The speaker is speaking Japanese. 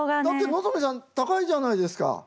だって望海さん高いじゃないですか！